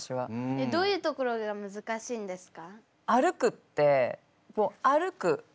えっどういうところがむずかしいんですか？